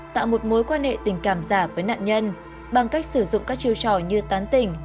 tạo một mối quan hệ tình cảm giả với nạn nhân bằng cách sử dụng các chiêu trò như tán tỉnh